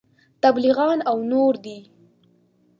تبلیغیان او نور دي.